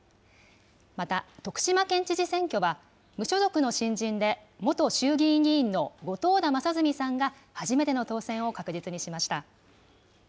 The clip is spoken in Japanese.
また徳島県知事選挙は無所属の新人で、元衆議院議員の後藤田正純さんが初めての当選を確実にしました。